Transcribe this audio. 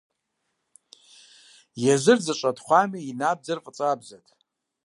Езыр зэщӀэтхъуами, и набдзэр фӀыцӀабзэт.